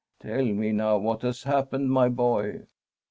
' Tell me now what has happened, my boy.